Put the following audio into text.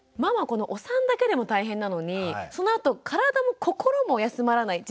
このお産だけでも大変なのにそのあと体も心も休まらない。